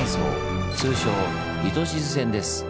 通称「糸静線」です。